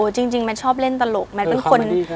จริงแมทชอบเล่นตลก